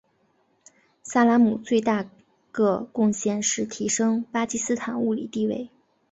萨拉姆最大个贡献是提升巴基斯坦物理地位。